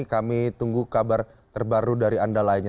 kami tunggu kabar terbaru dari anda lainnya